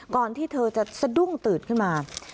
ที่เธอจะสะดุ้งตื่นขึ้นมา